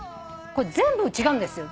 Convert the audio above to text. これ全部違うんですよ。